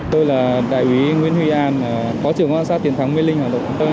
tôi là đại úy nguyễn huy an phó trưởng quan sát tiến thắng mê linh hà nội